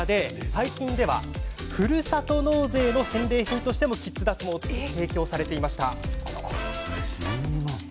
最近では、ふるさと納税の返礼品としてもキッズ脱毛が提供されていました。